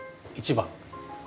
１番。